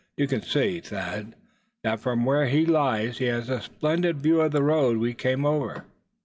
"You can see, Thad, that from where he lies he has a splendid view of the road we came over?"